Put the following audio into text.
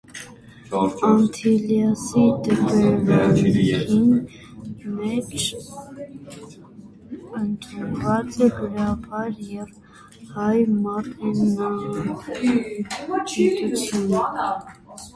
Անթիլիասի դպրեվանքին մէջ աւանդած է գրաբար եւ հայ մատենագիտութիւն։